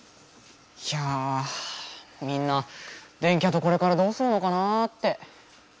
いやぁみんな電キャとこれからどうするのかなぁって。